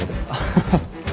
ハハハ。